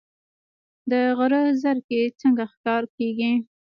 د غره زرکې څنګه ښکار کیږي؟